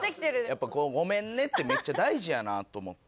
やっぱこの「ごめんね」ってめっちゃ大事やなと思って。